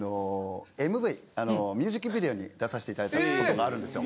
ミュージックビデオに出させていただいたことがあるんですよ。